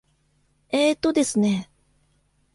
えーとですね。